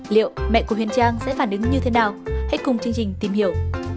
liệu mẹ của huyền trang sẽ phản ứng như thế nào hãy cùng chương trình tìm hiểu